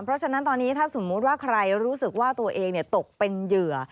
เพราะฉะนั้นตอนนี้ถ้าสมมุติว่าใครรู้สึกว่าตัวเองตกเป็นเหยื่อ